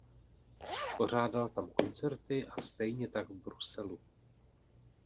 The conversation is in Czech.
Pořádal tam koncerty a stejně tak v Bruselu.